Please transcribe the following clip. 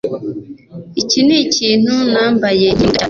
Iki nikintu nambaye nkiri muto cyane